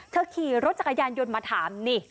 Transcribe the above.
ขี่รถจักรยานยนต์มาถามนี่